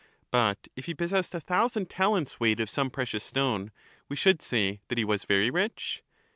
But if he possessed a thousand talents weight of some precious stone, we should say that he was very rich?